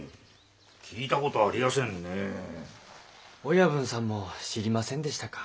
親分さんも知りませんでしたか。